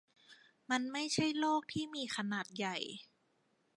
มันไม่ใช่โลกที่มีขนาดใหญ่.